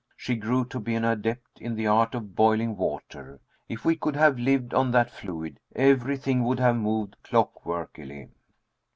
She grew to be an adept in the art of boiling water. If we could have lived on that fluid, everything would have moved clockworkily.